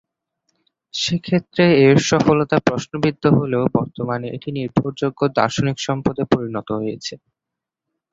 সেক্ষেত্রে এর সফলতা প্রশ্নবিদ্ধ হলেও বর্তমানে এটি একটি নির্ভরযোগ্য দার্শনিক সম্পদে পরিণত হয়েছে।